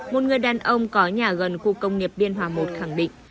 một người đàn ông có nhà gần khu công nghiệp biên hòa một khẳng định